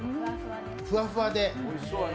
ふわふわで。